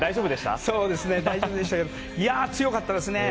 大丈夫でしたけど強かったですね。